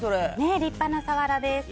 立派なサワラです。